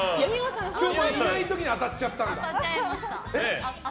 いない時に当たっちゃったんだ。